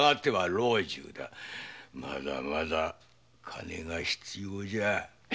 まだまだ金が必要じゃ。